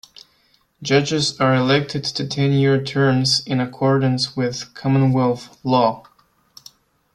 Judges are elected to ten-year terms in accordance with Commonwealth law.